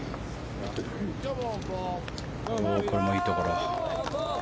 これもいいところ。